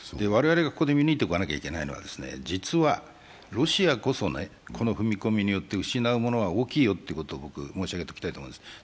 我々がここで見抜いておかなければならないことは、実はロシアこそこの踏み込みによって失うものが大きいよということを申し上げておきたいと思います。